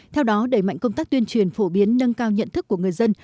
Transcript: theo đó đẩy mạnh công tác tuyên truyền phổ biến nâng cao nhận thức của người dân